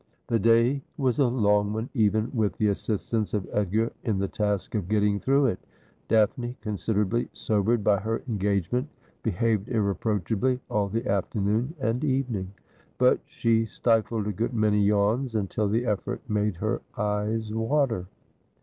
The day was a long one, even with the assistance of Edgar in the task of getting through it. Daphne, considerably sobered by her engagement, behaved irreproachably all the afternoon and evening ; but she stifled a good many yawns, until the effort made her eyes water.